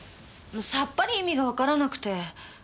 さっぱり意味がわからなくて。